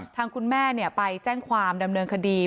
ทางคุณแม่ไปแจ้งความดำเนินคดี